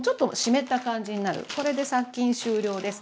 これで殺菌終了です。